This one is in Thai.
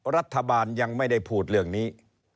รัฐบาลยังไม่ได้พูดเรื่องนี้